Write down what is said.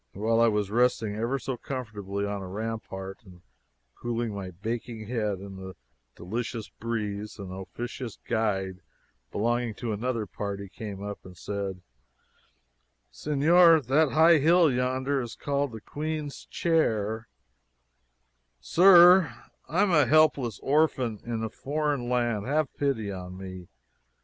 While I was resting ever so comfortably on a rampart, and cooling my baking head in the delicious breeze, an officious guide belonging to another party came up and said: "Senor, that high hill yonder is called the Queen's Chair " "Sir, I am a helpless orphan in a foreign land. Have pity on me.